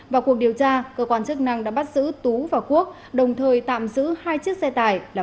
vào cuộc điều tra cơ quan chức năng đã bắt giữ tú và quốc đồng thời tạm giữ hai chiếc xe tải là